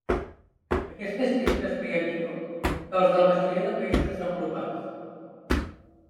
Aquesta xifra es veia millor que els de la majoria dels països desenvolupats.